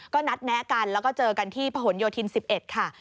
ก็นัดแนะกันแล้วก็เจอกันที่ผนโยธิน๑๑ค่ะ